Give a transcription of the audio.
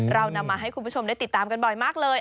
เรานำมาให้คุณผู้ชมได้ติดตามกันบ่อยมากเลย